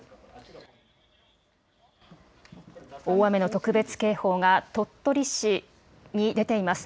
大雨の特別警報が、鳥取市に出ています。